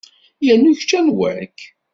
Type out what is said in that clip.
Yernu kečč anwa-k?